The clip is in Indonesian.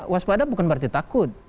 waspada bukan berarti takut